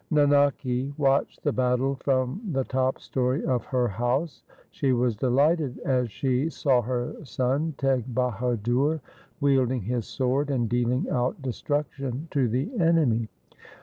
Nanaki watched the battle from the top story of her house. She was delighted as she saw her son, Teg Bahadur, wielding his sword and dealing out destruction to the enemy.